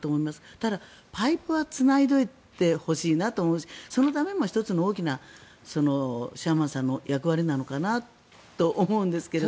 ただ、パイプはつないでおいてほしいなと思いますしそのために１つの大きなシャーマンさんの役割なのかなと思うんですが。